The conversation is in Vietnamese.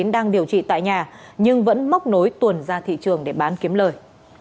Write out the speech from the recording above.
đang điều trị tại nhà nhưng vẫn móc nối tuần ra thị trường để bán kiếm lời